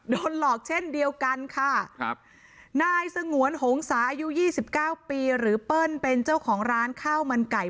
โดนหลอกเช่นเดียวกันค่ะนายสงวนหงษายุ๒๙ปีหรือเปิ้ลเป็นเจ้าของร้านข้าวมันไก่